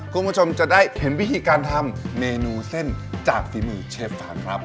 คุณผู้ชมจะได้เห็นวิธีการทำเมนูเส้นจากฝีมือเชฟฟังครับ